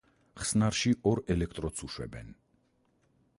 ხსნარში ორ ელექტროდს უშვებენ.